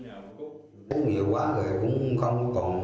không hiểu quá rồi cũng không